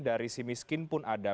dari si miskin pun ada